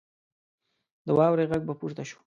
د واورې غږ به پورته شو.